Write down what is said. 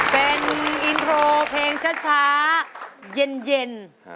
เป็นอินโทรเพลงช้าเย็น